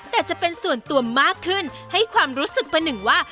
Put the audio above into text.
แต่จะเป็นส่วนตัวมากขึ้นให้ความรู้สึกประหนึ่งว่า